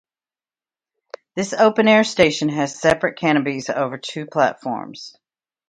This open-air station has separate canopies over the two platforms.